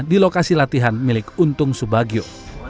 di lokasi latihan milik untung subagio